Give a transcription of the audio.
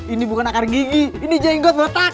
ini bukan akar gigi ini jenggot botak